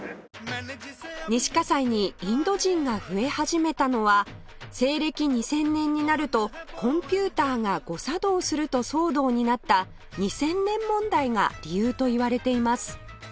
西西にインド人が増え始めたのは西暦２０００年になるとコンピューターが誤作動すると騒動になった２０００年問題が理由と言われています